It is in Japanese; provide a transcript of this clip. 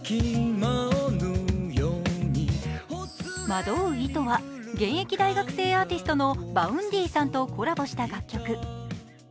「惑う糸」は現役大学生アーティストのＶａｕｎｄｙさんとコラボした楽曲。